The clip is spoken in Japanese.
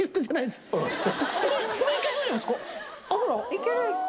いける。